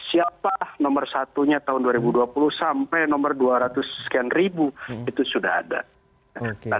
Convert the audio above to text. siapa nomor satunya tahun dua ribu dua puluh sampai nomor dua ratus sekian ribu itu sudah ada